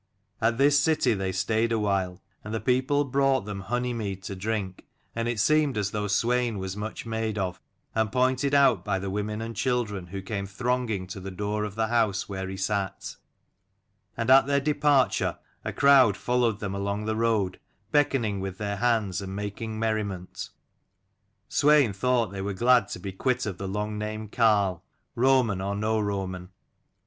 At this city they stayed awhile, and the people brought them honeymead to drink: and it seemed as though Swein was made much of, and pointed out by the women and children, who came thronging to the door of the house where he sat : and at their departure a crowd followed them along the road, beckoning with their hands and making merriment. Swein thought they were glad to be quit of the long named carle, Roman or no Roman.